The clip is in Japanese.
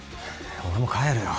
俺も帰るよ。